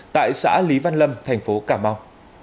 tại xã lý văn lâm thành phố cà mau